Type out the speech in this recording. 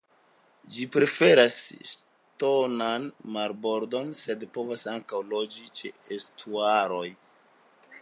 Ĝi preferas ŝtonan marbordon, sed povas ankaŭ loĝi ĉe estuaroj.